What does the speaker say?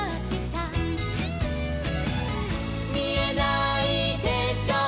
「みえないでしょう